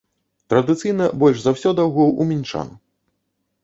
Традыцыйна больш за ўсё даўгоў у мінчан.